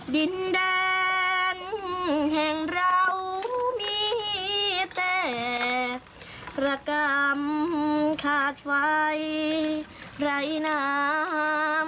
ดินแดนแห่งเรามีแต่ประกรรมขาดไฟไร้น้ำ